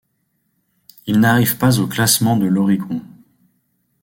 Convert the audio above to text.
Il n'arrive pas au classement de l'Oricon.